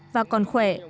và còn khỏe